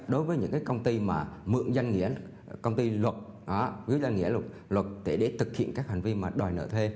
đối với những công ty mượn danh nghĩa công ty luật để thực hiện các hành vi đòi nợ thuê